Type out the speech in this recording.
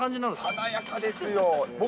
華やかですよ。